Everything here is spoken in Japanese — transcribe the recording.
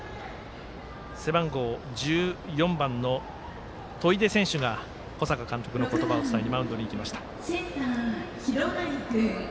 背番号１４番の砥出選手が小坂監督の言葉を伝えにマウンドに行きました。